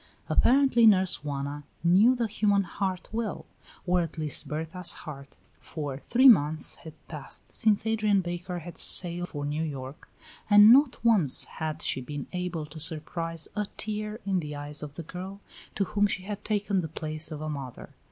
Apparently Nurse Juana knew the human heart well, or at least Berta's heart, for three months had passed since Adrian Baker had sailed for New York, and not once had she been able to surprise a tear in the eyes of the girl to whom she had taken the place of a mother.